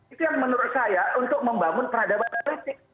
itu yang menurut saya untuk membangun peradaban politik